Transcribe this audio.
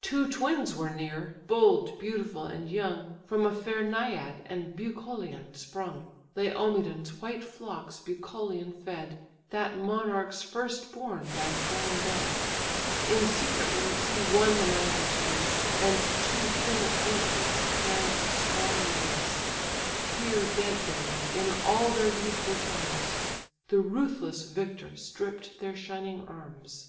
Two twins were near, bold, beautiful, and young, From a fair naiad and Bucolion sprung: (Laomedon's white flocks Bucolion fed, That monarch's first born by a foreign bed; In secret woods he won the naiad's grace, And two fair infants crown'd his strong embrace:) Here dead they lay in all their youthful charms; The ruthless victor stripp'd their shining arms.